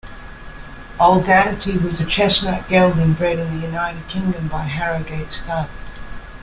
Aldaniti was a chestnut gelding bred in the United Kingdom by Harrowgate Stud.